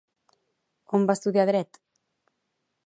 On va estudiar Dret?